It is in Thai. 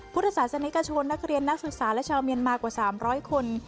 พุทธศาสนิกชนนักเรียนนักศึกษาและชาวเมียนมากว่า๓๐๐คน